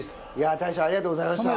大将ありがとうございました。